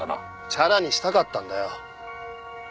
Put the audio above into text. ちゃらにしたかったんだよ。